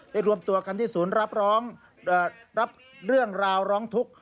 รวมตัวกันที่ศูนย์รับเรื่องราวร้องทุกข์